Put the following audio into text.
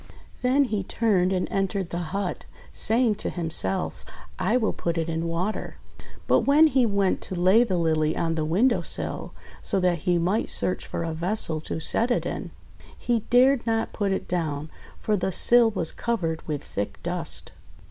Then he turned and entered the hut, saying to himself, "I will put it in water." But when he went to lay the Lily on the win dow sill, so that he might search for a vessel to set it in, he dared not put it down, for the sill was covered with thick dust.